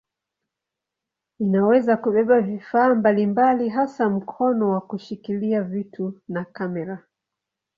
Inaweza kubeba vifaa mbalimbali hasa mkono wa kushikilia vitu na kamera.